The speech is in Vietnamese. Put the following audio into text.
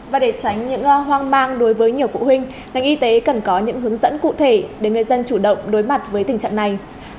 và để tránh những hoang mang đối với nhiều phụ huynh ngành y tế cần có những hướng dẫn cụ thể để người dân chủ động đối mặt với tình trạng này